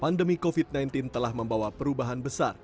pandemi covid sembilan belas telah membawa perubahan besar